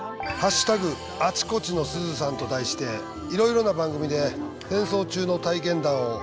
「＃あちこちのすずさん」と題していろいろな番組で戦争中の体験談を募集すると。